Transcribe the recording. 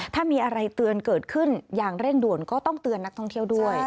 ถ้ามีอะไรเตือนเกิดขึ้นอย่างเร่งด่วนก็ต้องเตือนนักท่องเที่ยวด้วย